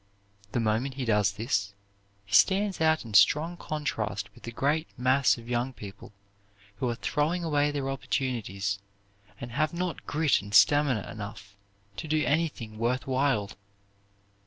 The moment he does this, he stands out in strong contrast with the great mass of young people who are throwing away their opportunities and have not grit and stamina enough to do anything worth while.